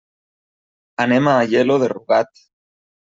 Anem a Aielo de Rugat.